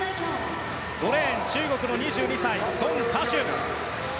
５レーン、中国の２２歳ソン・カシュン。